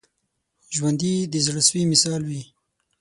ژوندي د زړه سوي مثال وي